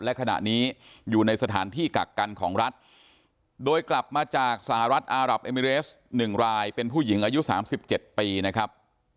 และขณะนี้อยู่ในสถานที่กักกันของรัฐโดยกลับมาจากสหรัฐอารับเอมิเรส๑รายเป็นผู้หญิงอายุ๓๗ปีนะครับ